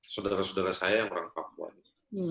saudara saudara saya yang orang papua ini